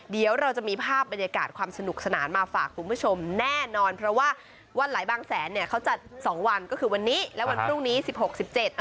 เดี๋ยวเราจะมีภาพบรรยากาศความสนุกสนานมาฝากคุณผู้ชมแน่นอนเพราะว่าวันไหลบางแสนเนี่ยเขาจัดสองวันก็คือวันนี้และวันพรุ่งนี้สิบหกสิบเจ็ด